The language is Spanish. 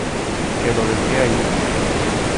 Que lo dejé ahí.